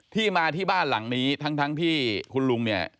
ที่มาที่บ้านหลังนี้ทั้งที่คุณลุงเนี่ย